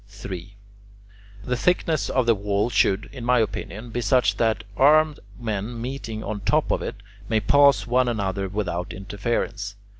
3. The thickness of the wall should, in my opinion, be such that armed men meeting on top of it may pass one another without interference.